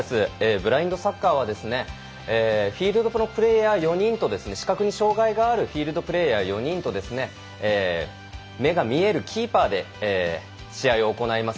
ブラインドサッカーはフィールドプレーヤー４人と視覚に障がいがあるフィールドプレーヤー４人と目が見えるキーパーで試合を行います。